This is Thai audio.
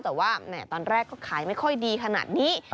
แต่ว่าตอนแรกก็ขายไม่ค่อยดีขนาดนี้